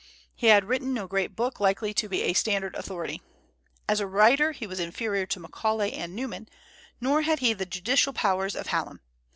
He had written no great book likely to be a standard authority. As a writer he was inferior to Macaulay and Newman, nor had he the judicial powers of Hallam.